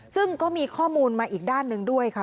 ซึ่งก็มีข้อมูลมาอีกด้านหนึ่งด้วยค่ะ